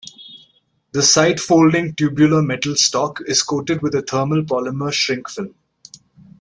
The side-folding tubular metal stock is coated with a thermal polymer shrink film.